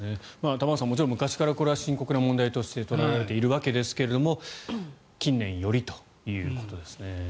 玉川さん昔から深刻な問題として捉えられているわけですが近年よりということです。